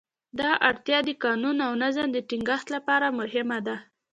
دغه اړتیا د قانون او نظم د ټینګښت لپاره مهمه ده.